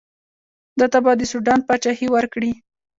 ده ته به د سوډان پاچهي ورکړي.